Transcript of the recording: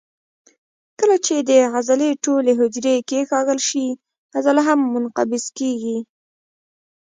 کله چې د عضلې ټولې حجرې کیکاږل شي عضله هم منقبض کېږي.